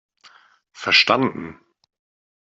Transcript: Verstanden!